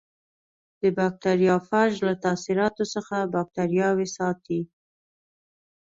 د بکټریوفاژ له تاثیراتو څخه باکتریاوې ساتي.